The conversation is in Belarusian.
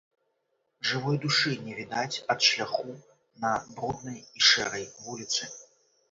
Жывой душы не відаць ад шляху на бруднай і шэрай вуліцы.